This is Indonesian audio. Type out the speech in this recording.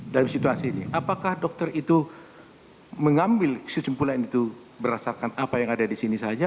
dalam situasi ini apakah dokter itu mengambil kesimpulan itu berdasarkan apa yang ada di sini saja